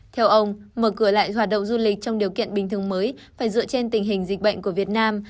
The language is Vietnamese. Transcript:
theo ông mở cửa lại hoạt động du lịch trong điều kiện bình thường mới phải dựa trên tình hình dịch bệnh của việt nam